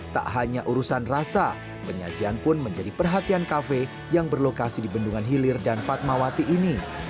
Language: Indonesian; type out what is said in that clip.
tak hanya urusan rasa penyajian pun menjadi perhatian kafe yang berlokasi di bendungan hilir dan fatmawati ini